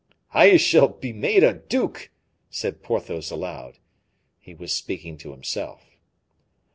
"I shall be made a duke!" said Porthos, aloud. He was speaking to himself.